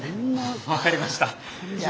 分かりました。